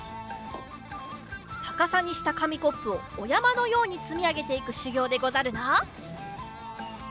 さかさにしたかみコップをおやまのようにつみあげていくしゅぎょうでござるな。